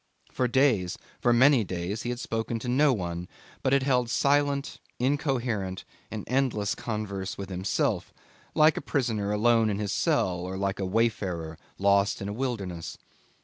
For days, for many days, he had spoken to no one, but had held silent, incoherent, and endless converse with himself, like a prisoner alone in his cell or like a wayfarer lost in a wilderness.